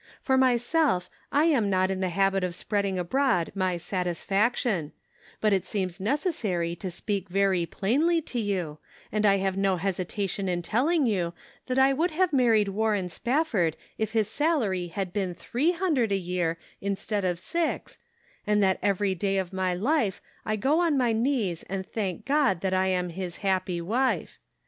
For myself, I am not in the habit of spreading abroad my sat isfaction ; but it seems necessary to speak rery plainly to you, and I have no hesitation in tell ing you that I would have married Warren Spafford if his salary had been three hundred a year instead of six, and that every day of my life I go on my knees and thank God that I am his happy wife.